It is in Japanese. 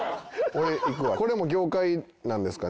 これも業界なんですかね？